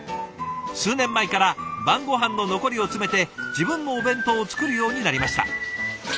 数年前から晩ごはんの残りを詰めて自分のお弁当を作るようになりました。